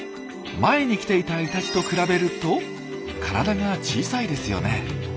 前に来ていたイタチと比べると体が小さいですよね。